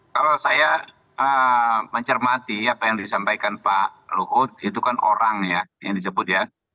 kalau saya mencermati apa yang disampaikan pak luhut itu kan orang ya yang disebut ya